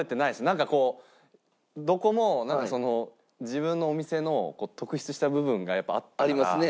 なんかこうどこもなんかその自分のお店の特出した部分がやっぱあったから。